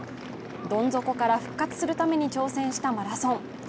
どん底から復活するために挑戦したマラソン。